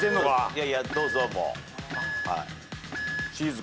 いやいやどうぞもう。